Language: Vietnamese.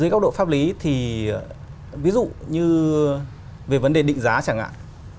dưới góc độ pháp lý thì ví dụ như về vấn đề định giá chẳng hạn